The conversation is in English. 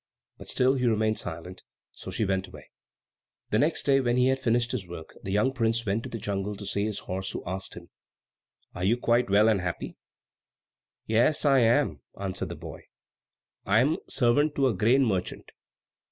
But still he remained silent, so she went away. The next day, when he had finished his work, the young prince went to the jungle to see his horse, who asked him, "Are you quite well and happy?" "Yes, I am," answered the boy. "I am servant to a grain merchant.